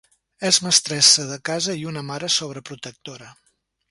És mestressa de casa i una mare sobreprotectora.